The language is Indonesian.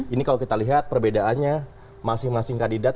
ini kalau kita lihat perbedaannya masing masing kandidat